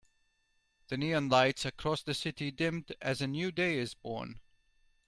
The neon lights across the city dimmed as a new day is born.